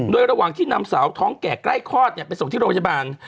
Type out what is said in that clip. โดยระหว่างที่นำสาวท้องแก่ใกล้คลอดไปส่งที่โรงพยาบาล